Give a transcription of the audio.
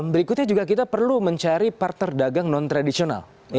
berikutnya juga kita perlu mencari partner dagang non tradisional